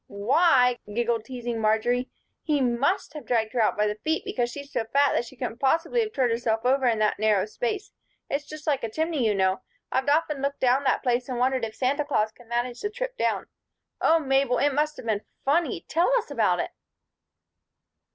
"Why!" giggled teasing Marjory, "he must have dragged her out by her feet because she's so fat that she couldn't possibly have turned herself over in that narrow space. It's just like a chimney, you know. I've often looked down that place and wondered if Santa Claus could manage the trip down. Oh, Mabel! It must have been funny! Tell us about it."